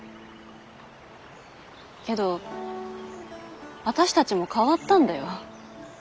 けどあたしたちも変わったんだよ。